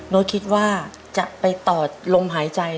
คิดว่าจะไปต่อลมหายใจ